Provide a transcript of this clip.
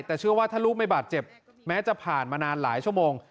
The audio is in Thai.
แต่เชื่อว่าถ้าลูกไม่บาดเจ็บแม้จะผ่านมานานหลายชั่วโมง